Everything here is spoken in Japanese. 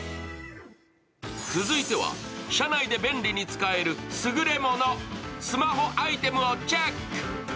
続いては車内で便利に使えるすぐれもの、スマホアイテムをチェック。